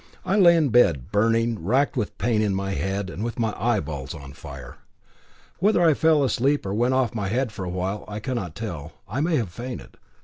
I lay in bed, burning, racked with pain in my head, and with my eyeballs on fire. Whether I fell asleep or went off my head for a while I cannot tell. I may have fainted.